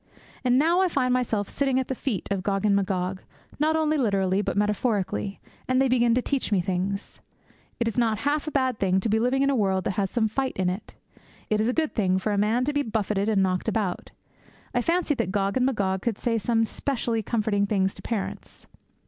And now I find myself sitting at the feet of Gog and Magog, not only literally but metaphorically, and they begin to teach me things. It is not half a bad thing to be living in a world that has some fight in it. It is a good thing for a man to be buffeted and knocked about. I fancy that Gog and Magog could say some specially comforting things to parents.